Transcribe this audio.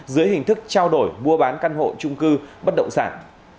dưới hình thức trao đổi mua bán căn hộ trung cư bất động sản